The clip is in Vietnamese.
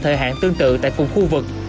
thời hạn tương tự tại cùng khu vực